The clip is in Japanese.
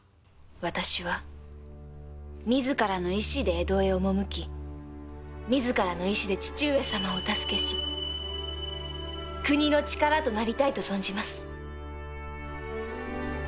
私は自らの意思で江戸へ赴き自らの意思で父上様をお助けし国の力となりたいと存じます。